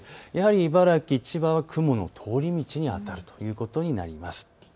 茨城、千葉は雲の通り道にあたるということになります。